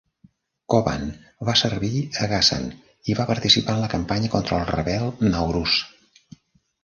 Coban va servir a Ghazan i va participar en la campanya contra el rebel Nauruz.